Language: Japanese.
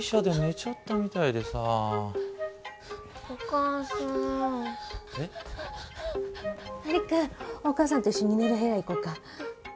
璃久お母さんと一緒に寝る部屋行こうか。